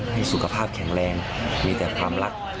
ให้สุขภาพแข็งแรงมีแต่ความรัก